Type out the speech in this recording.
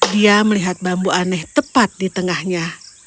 dia melihat bambu aneh tepat di tengahnya